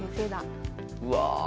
うわ。